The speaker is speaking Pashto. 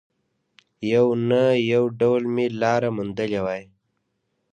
يو نه يو ډول به مې لاره موندلې وای.